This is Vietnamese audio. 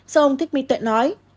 sau ông thích minh tuệ nói